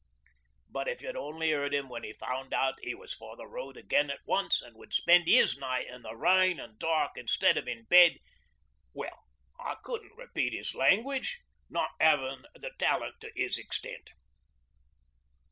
'But if you'd only 'eard 'im when he found he was for the road again at once an' would spend 'is night in the rain an' dark instead of in bed well, I couldn't repeat 'is language, not 'aving the talent to 'is extent.